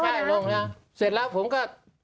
ใช่ลงแล้วเสร็จแล้วผมก็